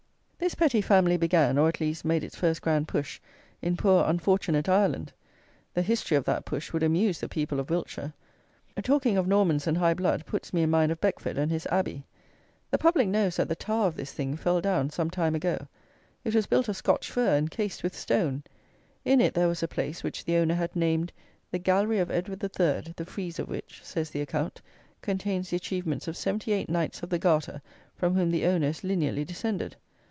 This Petty family began, or, at least, made its first grand push, in poor, unfortunate Ireland! The history of that push would amuse the people of Wiltshire! Talking of Normans and high blood, puts me in mind of Beckford and his "Abbey"! The public knows that the tower of this thing fell down some time ago. It was built of Scotch fir and cased with stone! In it there was a place which the owner had named, "The Gallery of Edward III., the frieze of which (says the account) contains the achievements of seventy eight Knights of the Garter, from whom the owner is lineally descended"!